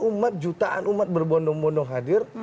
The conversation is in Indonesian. umat jutaan umat berbondong bondong hadir